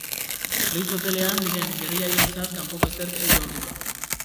Ritz hotelean diren gerrillarientzat kanpoko ezerk ez du ardura.